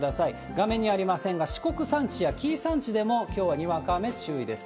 画面にありませんが、四国山地や紀伊山地でも、きょうはにわか雨注意です。